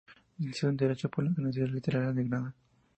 Licenciado en Derecho por la Universidad Literaria de Granada.